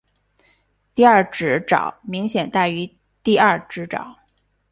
第二指爪明显大于第二指爪。